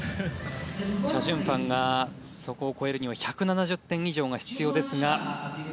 チャ・ジュンファンがそこを超えるには１７０点以上が必要ですが。